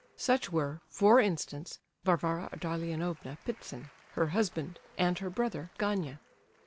Such were, for instance, Varvara Ardalionovna Ptitsin, her husband, and her brother, Gania.